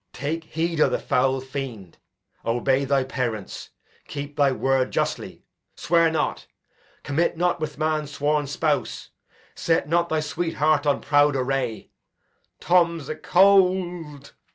Edg. Take heed o' th' foul fiend; obey thy parents: keep thy word justly; swear not; commit not with man's sworn spouse; set not thy sweet heart on proud array. Tom 's acold.